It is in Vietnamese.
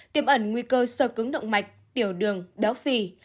tiềm ẩn nguy cơ sờ cứng động mạch tiểu đường béo phì